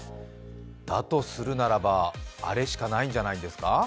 だとするならば、あれしかないんじゃないですか。